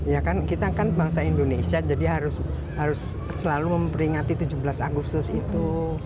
ya kan kita kan bangsa indonesia jadi harus selalu memperingati tujuh belas agustus itu